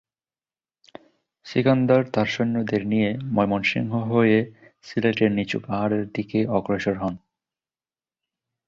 সিকান্দার তার সৈন্যদের নিয়ে ময়মনসিংহ হয়ে সিলেটের নিচু পাহাড়ের দিকে অগ্রসর হন।